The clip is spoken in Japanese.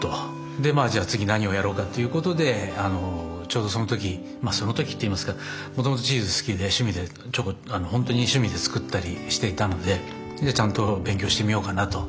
でまあじゃあ次何をやろうかっていうことでちょうどその時まあその時っていいますかもともとチーズ好きで趣味でちょこっと本当に趣味で作ったりしていたのでちゃんと勉強してみようかなと。